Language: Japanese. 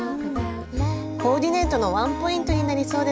コーディネートのワンポイントになりそうですね。